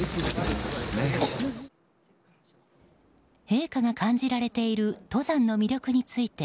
陛下が感じられている登山の魅力について